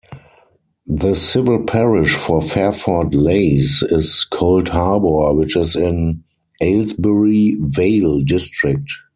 The civil parish for Fairford Leys is Coldharbour which is in Aylesbury Vale district.